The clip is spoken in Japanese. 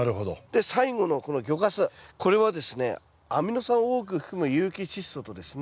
で最後のこの魚かすこれはですねアミノ酸を多く含む有機チッ素とですね